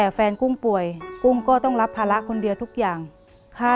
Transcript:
เปลี่ยนเพลงเพลงเก่งของคุณและข้ามผิดได้๑คำ